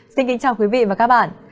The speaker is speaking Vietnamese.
xin kính chào quý vị và các bạn